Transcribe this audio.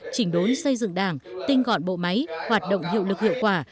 chỉnh đốn xây dựng đảng tinh gọn bộ máy hoạt động hiệu lực hiệu quả